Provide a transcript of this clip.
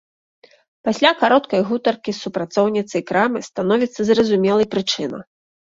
Пасля кароткай гутаркі з супрацоўніцай крамы становіцца зразумелай прычына.